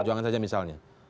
jangan saja misalnya